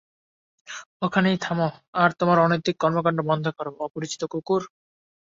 ওখানেই থামো আর তোমার অনৈতিক কর্মকান্ড বন্ধ করো, অপরিচিত কুকুর।